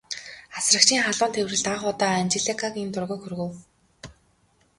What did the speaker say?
Асрагчийн халуун тэврэлт анх удаа Анжеликагийн дургүйг хүргэв.